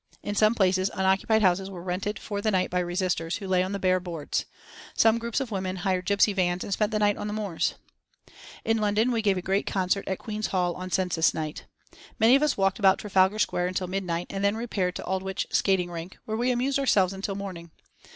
In some places unoccupied houses were rented for the night by resisters, who lay on the bare boards. Some groups of women hired gipsy vans and spent the night on the moors. In London we gave a great concert at Queen's Hall on Census night. Many of us walked about Trafalgar Square until midnight and then repaired to Aldwich skating rink, where we amused ourselves until morning.